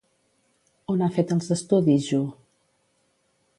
On ha fet els estudis Ju?